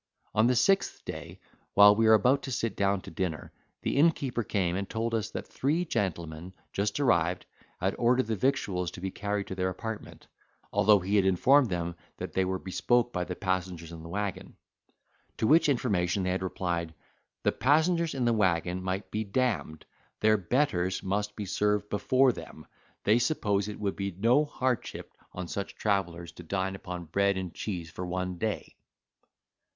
On the sixth day, while we were about to sit down to dinner, the innkeeper came and told us, that three gentlemen, just arrived, had ordered the victuals to be carried to their apartment, although he had informed them that they were bespoke by the passengers in the waggon. To which information they had replied, "the passengers in the waggon might be d—d, their betters must be served before them; they supposed it would be no hardship on such travellers to dine upon bread and cheese for one day."